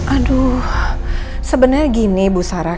aduh sebenarnya gini bu sarah